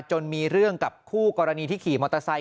มีเรื่องกับคู่กรณีที่ขี่มอเตอร์ไซค